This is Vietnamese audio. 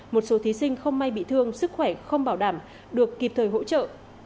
một số thí sinh không may bị thương sức khỏe không bảo đảm được kịp thời hỗ trợ